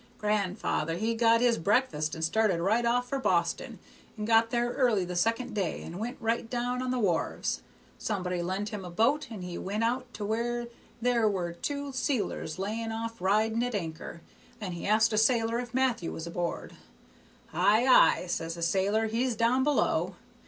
"Gran'ther he got his breakfast and started right off for Boston, and got there early the second day, and went right down on the wharves. Somebody lent him a boat, and he went out to where there were two sealers laying off riding at anchor, and he asked a sailor if Matthew was aboard. 'Ay, ay,' says the sailor, 'he's down below.'